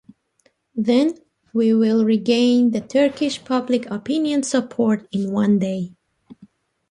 Then, we will regain the Turkish public opinion support in one day.